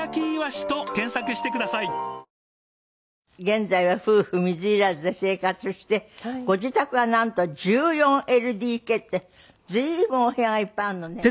現在は夫婦水入らずで生活してご自宅はなんと１４ＬＤＫって随分お部屋がいっぱいあるのね。